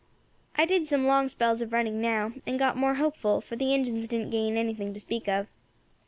I did some long spells of running now, and got more hopeful, for the Injins didn't gain anything to speak of.